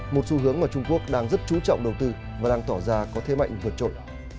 một xu hướng mà trung quốc đang rất chú trọng đầu tư và đang tỏ ra có thế mạnh vượt trội